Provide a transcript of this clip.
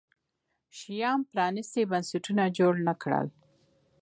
شیام پرانیستي بنسټونه جوړ نه کړل.